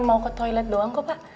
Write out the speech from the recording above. kamu malah pergi diam diam